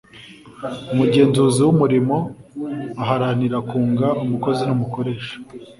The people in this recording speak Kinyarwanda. umugenzuzi w’umurimo aharanira kunga umukozi n’umukoresha